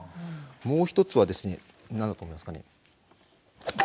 もう一つはですね何だと思いますかね。